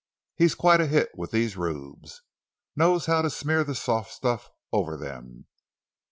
He's quite a hit with these rubes. Knows how to smear the soft stuff over them.